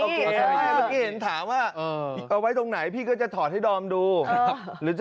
ไม่เมื่อกี้เห็นถามว่าเอาไว้ตรงไหนพี่ก็จะถอดให้ดอมดูหรือจะ